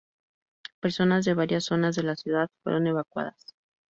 Personas de varias zonas de la ciudad fueron evacuadas.